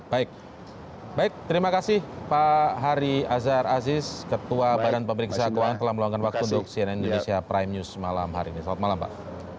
baik baik terima kasih pak hari azhar aziz ketua badan pemeriksa keuangan telah meluangkan waktu untuk cnn indonesia prime news malam hari ini selamat malam pak